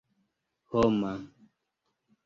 homa